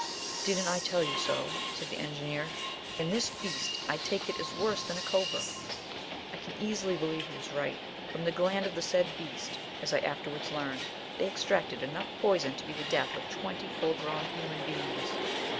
"Didn't I tell you so?" said the Engineer, "and this beast, I take it, is worse than any cobra." I can easily believe he was right. From the gland of the said beast, as I afterwards learned, they extracted enough poison to be the death of twenty full grown human beings.